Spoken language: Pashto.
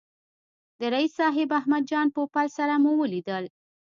د رییس صاحب احمد جان پوپل سره مو ولیدل.